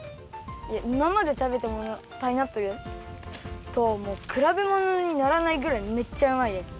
いままでたべたパイナップルとくらべものにならないぐらいめっちゃうまいです！